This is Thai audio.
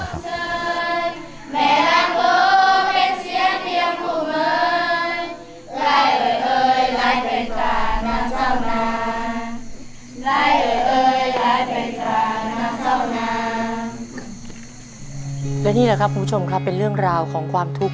และนี่แหละครับคุณผู้ชมครับเป็นเรื่องราวของความทุกข์